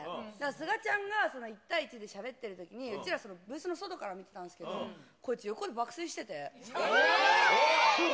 すがちゃんが１対１でしゃべってるときに、うちらブースの外から見てたんですけど、こいつ横で爆睡してて。